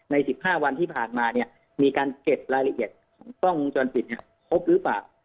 ใน๑๕วันที่ผ่านมาเนี่ยมีการเก็บรายละเอียดของกล้องวงจรปิดพบหรือเปล่า